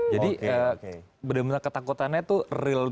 jadi benar benar ketakutannya itu real